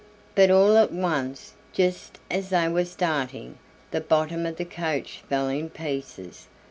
But all at once, just as they were starting, the bottom of the coach fell in pieces.